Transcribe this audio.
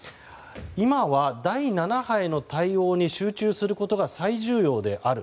今は、第７波への対応に集中することが最重要である。